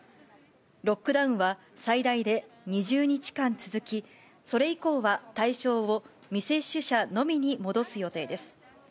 ロックダウンは最大で２０日間続き、それ以降は対象を未接種者のみに戻す予定です。